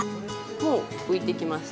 もう浮いてきました。